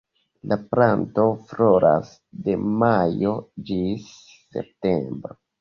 La planto floras de majo ĝis septembro.